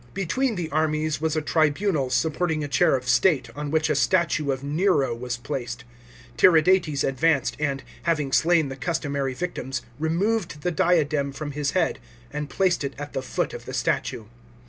Between the armies was a tribunal supporting a chair of state, on which a statue of Nero was placed. Tiridates advanced, and, having slain the customary victims, removed the diadem from his head and placed it at the foot of the statue.